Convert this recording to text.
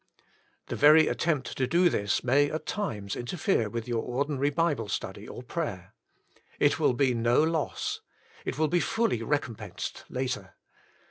The very attempt to do this, may at times in terfere with your ordinary Bible study, or prayer. It will be no loss. It will be fully recompensed later.